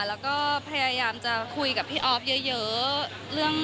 แล้วก็พยายามจะคุยกับพี่อ๊อฟเยอะ